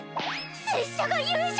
拙者が優勝！